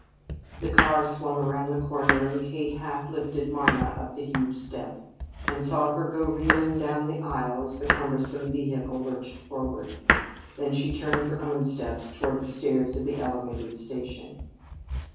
The car swung around the corner, and Kate half lifted Marna up the huge step, and saw her go reeling down the aisle as the cumbersome vehicle lurched forward. Then she turned her own steps toward the stairs of the elevated station.